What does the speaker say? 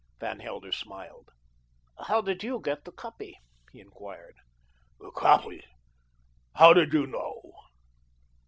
Van Helder smiled. "How did you get the copy?" he enquired. "The copy! How did you know?"